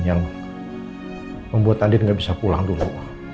yang membuat andin gak bisa pulang dulu